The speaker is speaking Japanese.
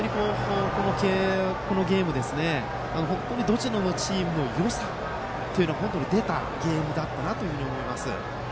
このゲームは本当にどちらのチームもよさが出たゲームだったなと思います。